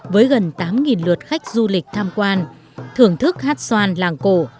với gần tám lượt khách du lịch tham quan thưởng thức hát xoan làng cổ